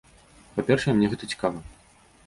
Па-першае, мне гэта цікава.